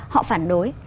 họ phản đối